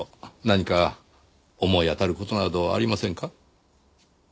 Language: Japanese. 何か思い当たる事などありませんか？